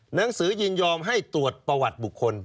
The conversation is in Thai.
หนังสือยินยอมให้ตรวจประวัติบุคคล